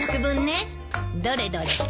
どれどれ。